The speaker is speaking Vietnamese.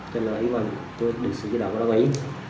cho nên là ý quan tôi được sự giới đoạn của nó bấy